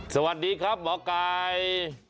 สวัสดีครับหมอไก่